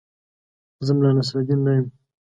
زه ملا نصرالدین نه یم.